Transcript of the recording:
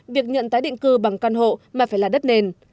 việc nhận tái định cư bằng căn hộ mà phải là đất nền